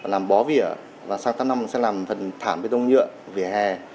làm bó vỉa và sang tháng năm sẽ làm phần thảm bế đông nhựa vỉa hè